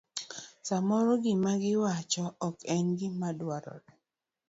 Samoro gima giwacho ok en gima dwara.